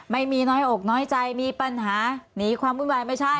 ไม่มีน้อยอกน้อยใจมีปัญหาหนีความวุ่นวายไม่ใช่